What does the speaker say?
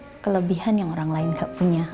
dia punya kelebihan yang orang lain gak punya